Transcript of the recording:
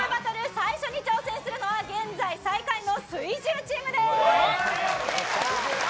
最初に挑戦するのは現在最下位の水１０チームです。